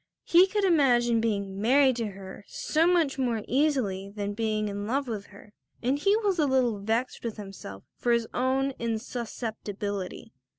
He could imagine being married to her so much more easily than being in love with her, and he was a little vexed with himself for his own insusceptibility.